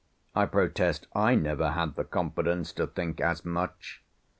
I protest I never had the confidence to think as much).